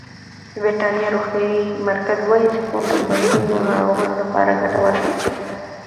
د بریتانیا روغتیايي مرکز وايي سپورت د بندونو ناروغانو لپاره ګټور دی.